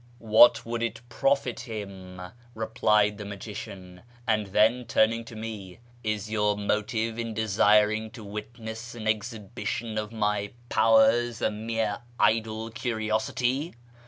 " What would it profit him ?" replied the magician ; and then, turning to me, " Is your motive in desiring to witness an exhibition of my powers a mere idle curiosity